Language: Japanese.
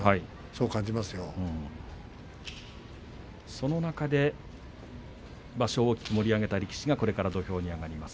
その中で場所を盛り上げた力士が土俵に上がります。